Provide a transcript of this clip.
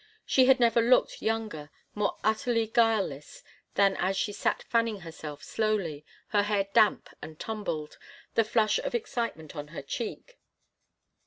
She had never looked younger, more utterly guileless, than as she sat fanning herself slowly, her hair damp and tumbled, the flush of excitement on her cheek.